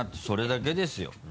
それだけですよ。